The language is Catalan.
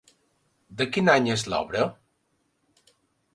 De quin any és l'obra?